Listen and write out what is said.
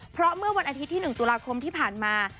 เพราะเมื่อวันอาทิตย์ที่๑ตุลาคมที่ผ่านมา